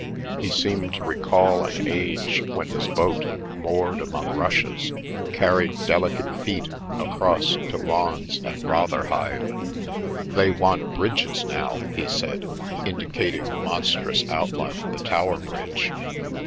He seemed to recall an age when his boat, moored among rushes, carried delicate feet across to lawns at Rotherhithe. "They want bridges now," he said, indicating the monstrous outline of the Tower Bridge.